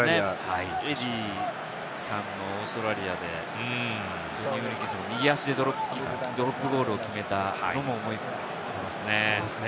エディーさんのオーストラリアで、右足でドロップゴールを決めたのも思い出しますね。